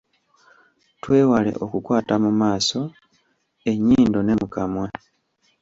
Twewale okukwata mu maaso, ennyindo ne mu kamwa.